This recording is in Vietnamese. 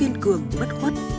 biên cường bất khuất